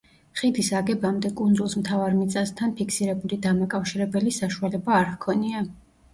ხიდის აგებამდე კუნძულს მთავარ მიწასთან ფიქსირებული დამაკავშირებელი საშუალება არ ჰქონდა.